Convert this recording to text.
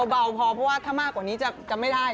เบาพอเพราะว่าถ้ามากกว่านี้จะไม่ได้